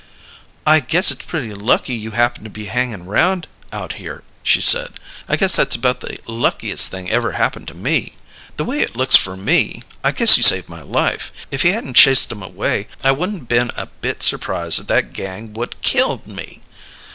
"I guess it's pretty lucky you happened to be hangin' around out here," she said. "I guess that's about the luckiest thing ever happened to me. The way it looks to me, I guess you saved my life. If you hadn't chased 'em away, I wouldn't been a bit surprised if that gang would killed me!"